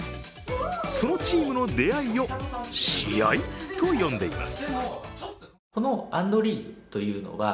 そのチームの出会いを試合と呼んでいます。